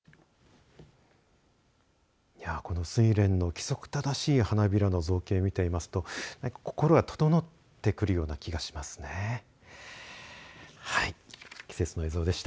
このスイレンの規則正しい花びらの造形を見ていますと心が整ってくるような気がします。